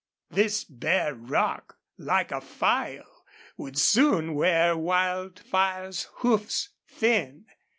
This bare rock, like a file, would soon wear Wildfire's hoofs thin.